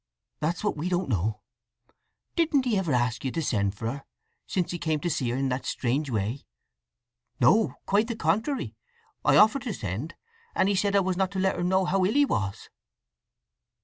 "That's what we don't know… Didn't he ever ask you to send for her, since he came to see her in that strange way?" "No. Quite the contrary. I offered to send, and he said I was not to let her know how ill he was."